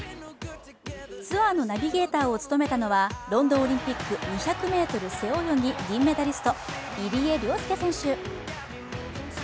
ツアーのナビゲーターを務めたのはロンドンオリンピック２００ｍ背泳ぎ銀メダリスト・入江陵介選手。